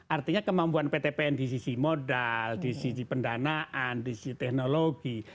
artinya kemampuan pt pn di sisi modal di sisi pendanaan di sisi teknologi